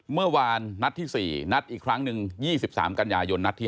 เมื่อวานนัดที่๔นัดอีกครั้งหนึ่ง๒๓กันยายนนัดที่๓